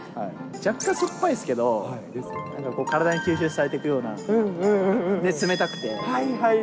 若干酸っぱいんですけど、体に吸収されていくような、冷たくて。